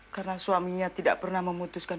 karena suaminya tidak pernah memutuskan